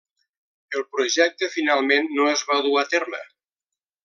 El projecte finalment no es va dur a terme.